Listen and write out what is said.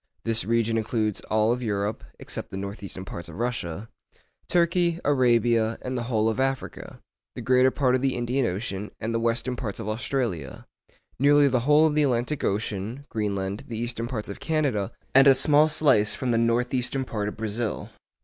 This region includes all Europe, except the north eastern parts of Russia; Turkey, Arabia, and the whole of Africa; the greater part of the Indian Ocean, and the western parts of Australia; nearly the whole of the Atlantic Ocean; Greenland, the eastern parts of Canada, and a small slice from the north eastern part of Brazil.